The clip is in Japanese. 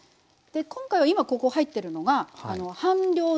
今回は今ここ入ってるのが半量です。